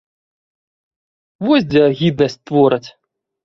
Вось дзе агіднасць твораць!